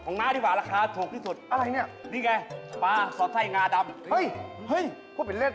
งานี่นี่ถูกมากเลย